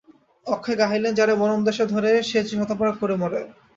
অক্ষয় গাহিলেন– যারে মরণ দশায় ধরে সে যে শতবার করে মরে।